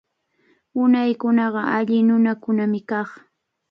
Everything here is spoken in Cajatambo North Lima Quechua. Unaykunaqa alli nunakunami kaq.